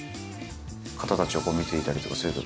方たちを見ていたりとかすると。